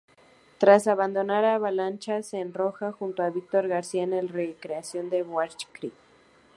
Tras abandonar Avalanch se enrola, junto a Víctor García, en la re-creación de Warcry.